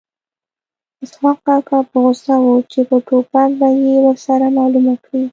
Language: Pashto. اسحق کاکا په غوسه و چې په ټوپک به یې ورسره معلومه کړي